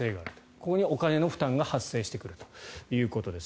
ここにお金の負担が発生してくるということです。